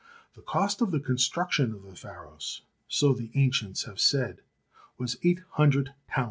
The cost of the construction of the Pharos, so the ancients have said, was eight hundred talents.